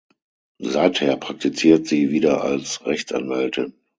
Seither praktiziert sie wieder als Rechtsanwältin.